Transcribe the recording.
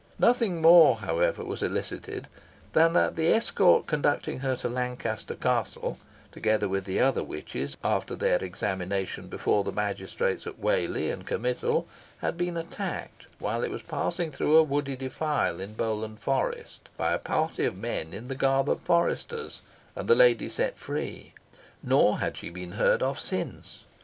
Nothing more, however, was elicited than that the escort conducting her to Lancaster Castle, together with the other witches, after their examination before the magistrates at Whalley, and committal, had been attacked, while it was passing through a woody defile in Bowland Forest, by a party of men in the garb of foresters, and the lady set free. Nor had she been heard of since.